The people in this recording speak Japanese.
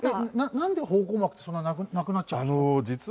なんで方向幕ってそんななくなっちゃうんですか？